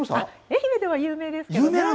愛媛では有名ですけどね。